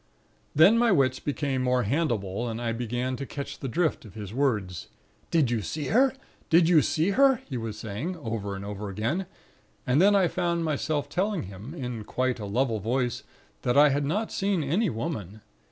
"Then my wits became more handleable, and I began to catch the drift of his words: 'Did you see her? Did you see her?' he was saying, over and over again; and then I found myself telling him, in quite a level voice, that I had not seen any Woman.